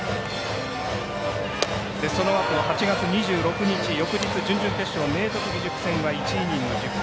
そのあと８月２６日翌日準々決勝、明徳義塾戦は１イニング１０球。